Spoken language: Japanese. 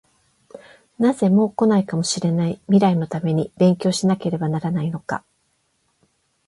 なぜ、もう来ないかもしれない未来のために勉強しなければならないのか？